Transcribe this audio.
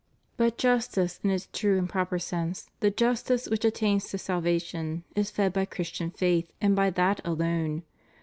But jastice in its true and proper sense, the justice which attains to salvation, is fed by Christian faith, and by that alone.